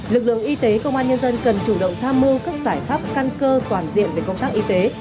lực lượng y tế công an nhân dân cần chủ động tham mưu các giải pháp căn cơ toàn diện về công tác y tế